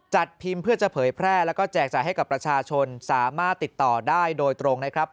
จัดพิมพ์เพื่อจะเผยแพร่แล้วก็แจกจ่ายให้กับประชาชนสามารถติดต่อได้โดยตรงนะครับ